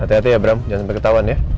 hati hati ya bram jangan sampai ketahuan ya